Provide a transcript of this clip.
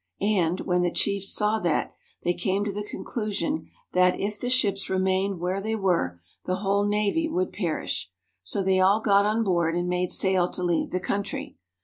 And, when the chiefs saw that, they came to the conclusion that, if the ships remained where they were, the whole navy would perish. So they all got on board and made sail to leave the country.